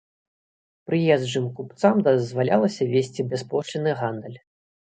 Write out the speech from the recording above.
Прыезджым купцам дазвалялася весці бяспошлінны гандаль.